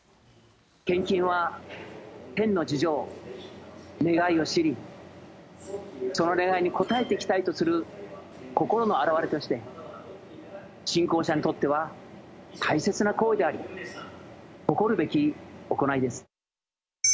献金は天の事情願いを知り、その願いに応えていきたいとする心の表れとして、信仰者にとっては大切な行為であり、誇るべき行いです。